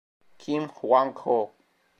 Kim Hwang-ho